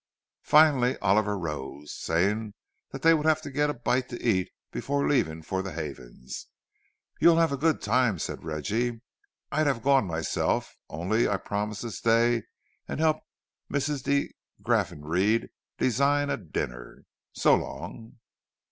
Finally Oliver rose, saying that they would have to get a bite to eat before leaving for the Havens's. "You'll have a good time," said Reggie. "I'd have gone myself, only I promised to stay and help Mrs. de Graffenried design a dinner. So long!"